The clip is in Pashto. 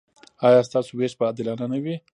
ایا ستاسو ویش به عادلانه نه وي؟